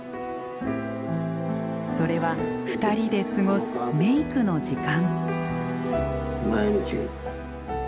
それは２人で過ごすメークの時間。